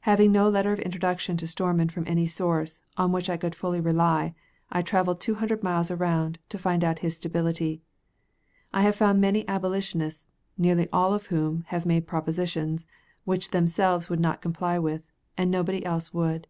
Having no letter of introduction to Stormon from any source, on which I could fully rely, I traveled two hundred miles around, to find out his stability. I have found many Abolitionists, nearly all who have made propositions, which themselves would not comply with, and nobody else would.